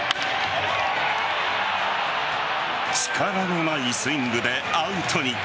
力のないスイングでアウトに。